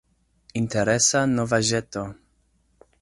Interesa novaĵeto.